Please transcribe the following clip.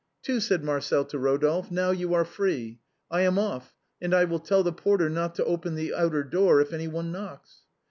" Two," said Marcel to Eodolphe, " now you are free. I am off, and I will tell the porter not to open the outer door if anyone knocks."